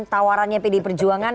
tawarannya pdip perjuangan